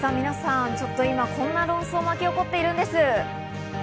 皆さん、今こんな論争が巻き起こっているんです。